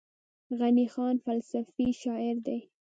غني خان فلسفي شاعر دی.